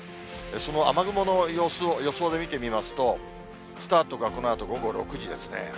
その雨雲の様子を、予想で見てみますと、スタートがこのあと午後６時ですね。